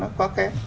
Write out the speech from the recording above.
nó quá kém